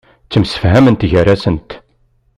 Ttemsifhament gar-asent.